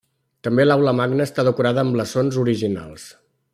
També l'Aula Magna està decorada amb blasons originals.